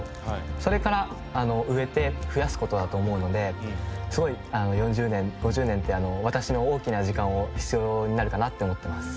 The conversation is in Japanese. それから植えて増やす事だと思うのですごい４０年５０年って私の大きな時間を必要になるかなって思ってます。